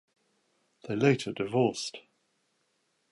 They later divorced.